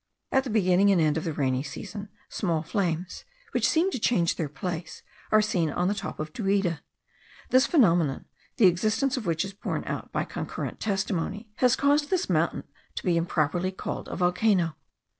At the beginning and end of the rainy season, small flames, which seem to change their place, are seen on the top of Duida. This phenomenon, the existence of which is borne out by concurrent testimony, has caused this mountain to be improperly called a volcano.